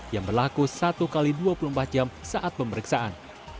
yang berlaku satu x dua puluh empat jam saat pemeriksaan